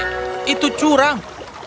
eh itu curang